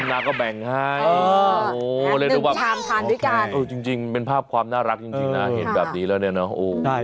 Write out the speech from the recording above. ลืมหนา้ายาก็แบ่งให้